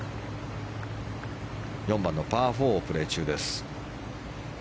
４番のパー４をプレー中です。